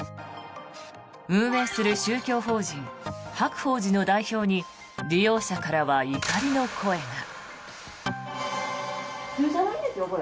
運営する宗教法人、白鳳寺の代表に利用者からは怒りの声が。